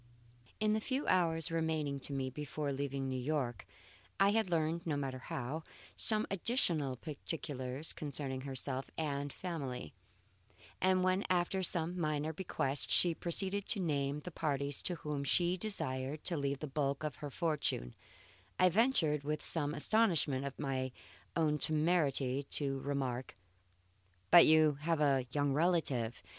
In the few hours remaining to me before leaving New York, I had learned (no matter how) some additional particulars concerning herself and family; and when after some minor bequests, she proceeded to name the parties to whom she desired to leave the bulk of her fortune, I ventured, with some astonishment at my own temerity, to remark: "But you have a young relative!